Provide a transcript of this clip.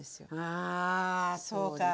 あそうか。